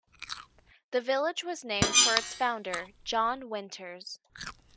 The village was named for its founder, John Winters.